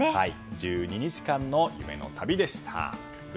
１２日間の夢の旅でした。